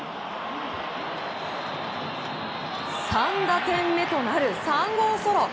３打点目となる３号ソロ。